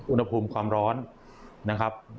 อุณหภูมิความร้อนนะครับ